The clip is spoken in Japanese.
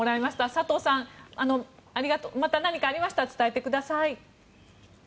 佐藤さん、また何かありましたら伝えてください。